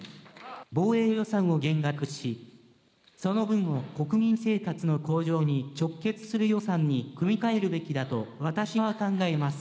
防衛予算を減額し、その分を国民生活の向上に直結する予算に組み替えるべきだと、私は考えます。